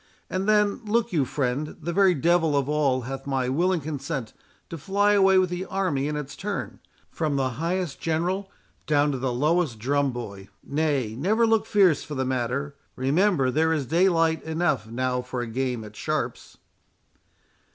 And then, look you, friend, the very devil of all hath my willing consent to fly away with the army in its turn, from the highest general down to the lowest drum boy. Nay, never look fierce for the matter; remember there is daylight enough now for a game at sharps."